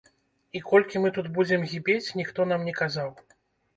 І колькі мы тут будзем гібець, ніхто нам не казаў.